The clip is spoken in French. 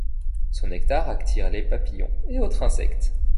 Son nectar attire les papillons et autres insectes.